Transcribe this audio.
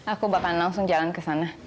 aku bakal langsung jalan ke sana